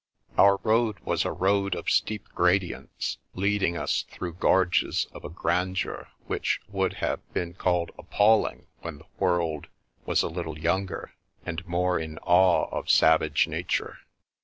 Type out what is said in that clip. Our road was a road of steep gradients, leading us through gorges of a grandeur which would have been called appalling when the world was a little younger, and more in awe of savage Nature.